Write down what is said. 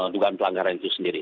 dugaan pelanggaran itu sendiri